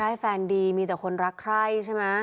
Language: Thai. แฟนดีมีแต่คนรักใคร่ใช่ไหม